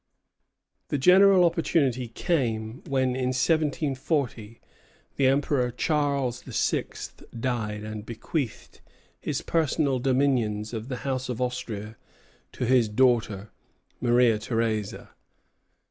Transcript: The general opportunity came when, in 1740, the Emperor Charles VI. died and bequeathed his personal dominions of the House of Austria to his daughter, Maria Theresa.